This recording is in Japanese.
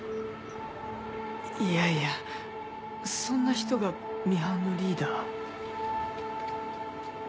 いやいやそんな人がミハンのリーダー？